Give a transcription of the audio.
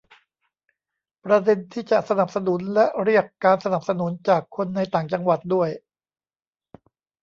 ประเด็นที่จะสนับสนุนและเรียกการสนับสนุนจากคนในต่างจังหวัดด้วย